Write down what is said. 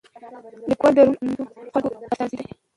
لیکوال د روڼ اندو خلکو استازی دی.